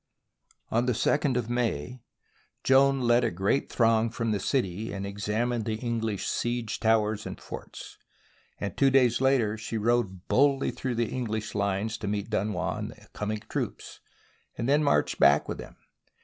On the second of May, Joan led a great throng SIEGE OF ORLEANS from the city and examined the English siege towers and forts ; and two days later she rode bold ly through the English lines to meet Dunois and the coming troops, and then marched back with them.